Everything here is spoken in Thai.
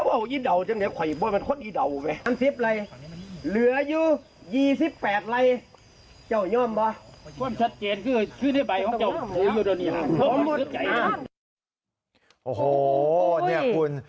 โอ้โหเนี่ยคุณ